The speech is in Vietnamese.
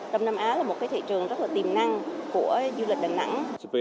đông nam á là một thị trường rất tiềm năng của du lịch đà nẵng